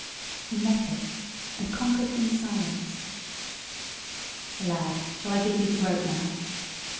He met it, and conquered in silence. "Lad, shall I give thee the groat now?"